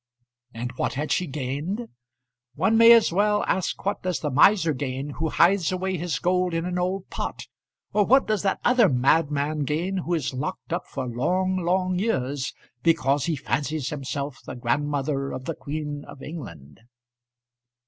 And what had she gained? One may as well ask what does the miser gain who hides away his gold in an old pot, or what does that other madman gain who is locked up for long long years because he fancies himself the grandmother of the Queen of England?